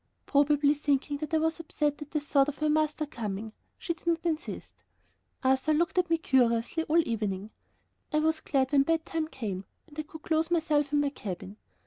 Probably thinking that I was upset at the thought of my master coming, she did not insist. Arthur looked at me curiously all the evening. I was glad when bedtime came, and I could close myself in my cabin.